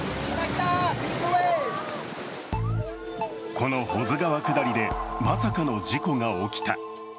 この保津川下りでまさかの事故が起きた。